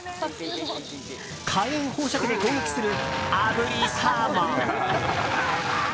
火炎放射器で攻撃するあぶりサーモン。